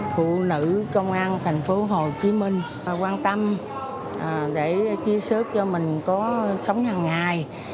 phụ nữ công an thành phố hồ chí minh quan tâm để chia sớt cho mình có sống hàng ngày